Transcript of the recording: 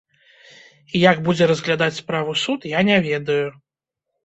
І як будзе разглядаць справу суд, я не ведаю.